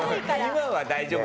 今は大丈夫？